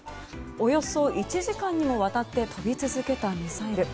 およそ１時間にもわたって飛び続けたミサイル。